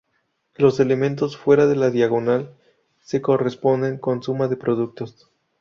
Los elementos fuera de la diagonal se corresponden con sumas de productos.